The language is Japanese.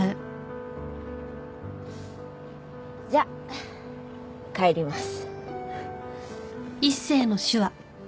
じゃあ帰ります。